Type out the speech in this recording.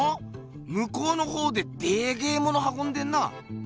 むこうのほうででけえものはこんでんな。